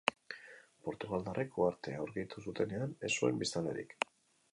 Portugaldarrek uhartea aurkitu zutenean, ez zuen biztanlerik.